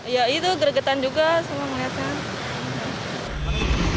ya itu gregetan juga sama ngeliatnya